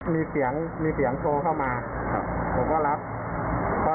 มีเสียงมีเสียงโทรเข้ามาครับผมก็รับ